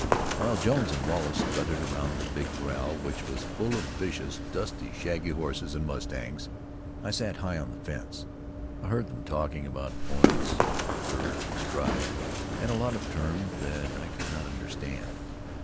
While Jones and Wallace strutted round the big corral, which was full of vicious, dusty, shaggy horses and mustangs, I sat high on the fence. I heard them talking about points and girth and stride, and a lot of terms that I could not understand.